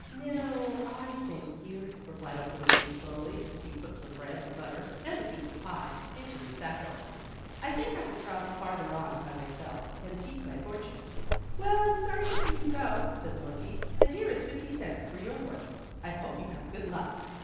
"No, I thank you," replied Uncle Wiggily slowly, as he put some bread and butter, and a piece of pie, into his satchel. "I think I will travel farther on by myself, and seek my fortune." "Well, I'm sorry to see you go," said the monkey. "And here is fifty cents for your work. I hope you have good luck."